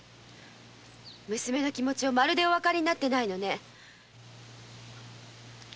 娘の気持をお分かりになっていないのね。